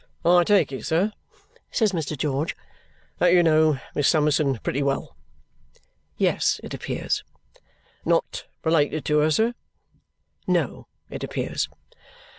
"I take it, sir," says Mr. George, "that you know Miss Summerson pretty well?" Yes, it appears. "Not related to her, sir?" No, it appears.